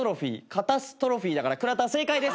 「片す」「トロフィー」だから倉田正解です。